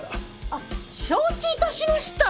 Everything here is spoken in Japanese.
あっ承知致しました！